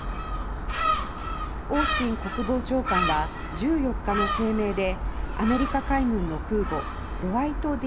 オースティン国防長官は１４日の声明でアメリカ海軍の空母ドワイト・Ｄ。